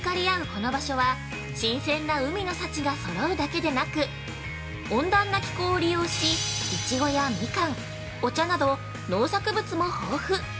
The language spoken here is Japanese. この場所は新鮮な海の幸が揃うだけでなく温暖な気候を利用しいちごやみかん、お茶など農作物も豊富！